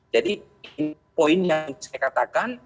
jadi ini poin yang saya katakan